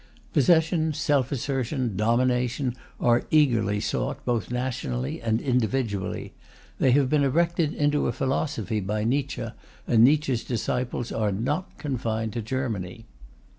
Possession, self assertion, domination, are eagerly sought, both nationally and individually. They have been erected into a philosophy by Nietzsche, and Nietzsche's disciples are not confined to Germany.